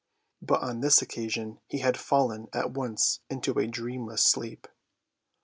But on this occasion he had fallen at once into a dreamless sleep.